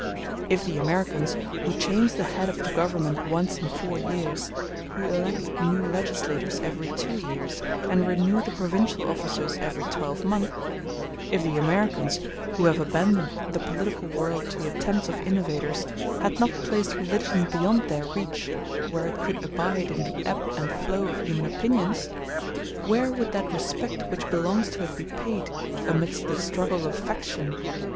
If the Americans, who change the head of the Government once in four years, who elect new legislators every two years, and renew the provincial officers every twelvemonth; if the Americans, who have abandoned the political world to the attempts of innovators, had not placed religion beyond their reach, where could it abide in the ebb and flow of human opinions? where would that respect which belongs to it be paid, amidst the struggles of faction?